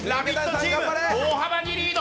チーム大幅にリード。